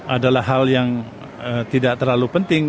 adalah hal yang tidak terlalu penting